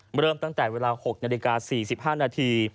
เริ่มตั้งแต่เวลา๖นาฬิกา๔๕นาที